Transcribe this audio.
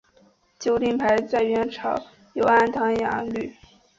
酒令牌在元朝有安雅堂觥律。